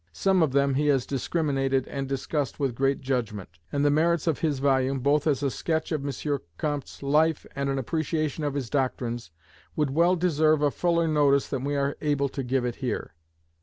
Some of them he has discriminated and discussed with great judgment: and the merits of his volume, both as a sketch of M. Comte's life and an appreciation of his doctrines, would well deserve a fuller notice than we are able to give it here.